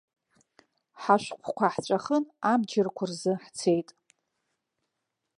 Ҳашәҟәқәа ҳҵәахын, абџьарқәа рзы ҳцеит.